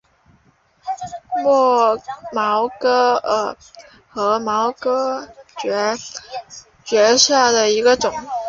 叉毛锯蕨为禾叶蕨科锯蕨属下的一个种。